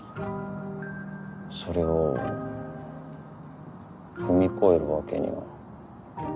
それを踏み越えるわけには。